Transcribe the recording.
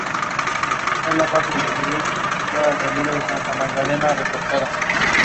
It is the administrative centre of the homonymous Madan Municipality.